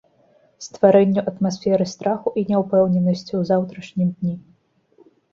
Стварэнню атмасферы страху і няўпэўненасці ў заўтрашнім дні.